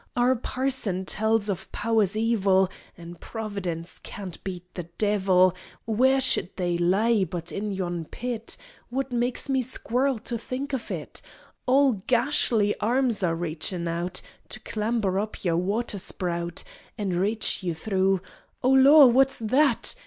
Our parson tells of Powers Evil: (An' Providence can't beat the Devil) Where should they laay, but in yon Pit? What makes me squirl to think on it: All gashly arms a reachin' out To clamber up yer water spout An' reach you through Oh Lor! _Who's that?